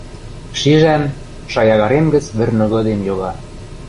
Шижӓм: шаягарем гӹц вӹр ныгыдем йога